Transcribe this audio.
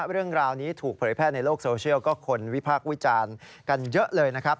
เรื่องราวนี้ถูกเผยแพร่ในโลกโซเชียลก็คนวิพากษ์วิจารณ์กันเยอะเลยนะครับ